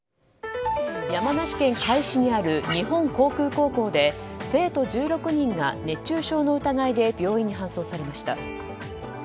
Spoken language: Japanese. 山梨県甲斐市にある日本航空高校で生徒１６人が熱中症の疑いで病院に搬送されました。